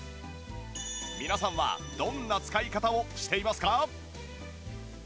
皆さんはどんな使い方をしていますか？